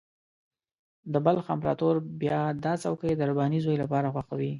د بلخ امپراطور بیا دا څوکۍ د رباني زوی لپاره خوښوي.